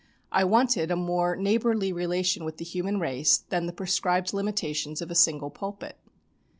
I wanted a more neighbourly relation with the human race than the prescribed limitations of a single pulpit.